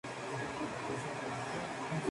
Su dieta se basa en insectos y frutas.